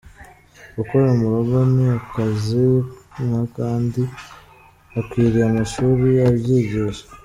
Gukora mu rugo ni akazi nk’akandi, hakwiriye amashuri abyigisha.